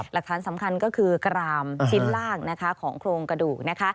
หลักฐานสำคัญก็คือกรามชิ้นลากของโครงกระดูก